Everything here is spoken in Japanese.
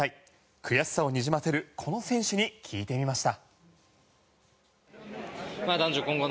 悔しさをにじませるこの選手に聞いてみました。